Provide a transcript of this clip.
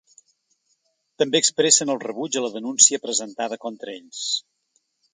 També expressen el rebuig a la denúncia presentada contra ells.